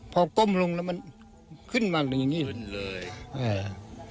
พอก้มลงแล้วมันขึ้นมาอย่างนี้เลย